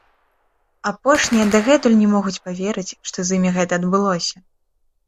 Апошнія дагэтуль не могуць паверыць, што з імі гэта адбылося!